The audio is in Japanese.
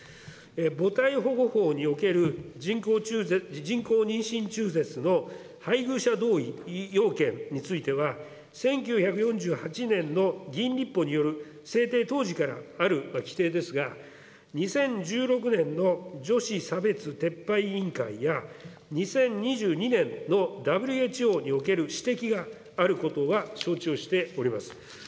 母体保護法における人工妊娠中絶の配偶者同意要件については、１９４８年の議員立法による制定当時からある規定ですが、２０１６年の女子差別撤廃委員会や２０２２年のＷＨＯにおける指摘があることは承知をしております。